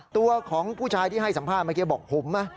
ตัวของผู้ชายที่ให้สัมภาษณ์เมื่อกี้บอกผมนะ